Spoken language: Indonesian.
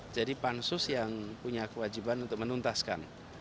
jadi pansus yang punya kewajiban untuk menuntaskan